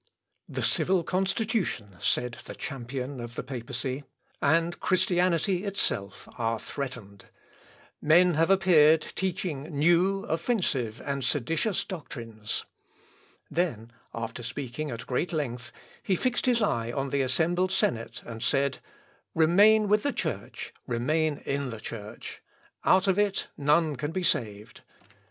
"The civil constitution," said the champion of the papacy, "and Christianity itself, are threatened. Men have appeared teaching new, offensive and seditious doctrines." Then, after speaking at great length, he fixed his eye on the assembled senate, and said, "Remain with the Church, remain in the Church. Out of it none can be saved.